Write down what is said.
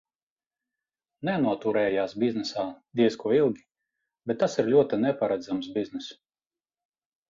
Nenoturējās biznesā diez ko ilgi, bet tas ir ļoti neparedzams bizness.